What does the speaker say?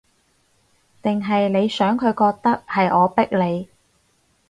定係你想佢覺得，係我逼你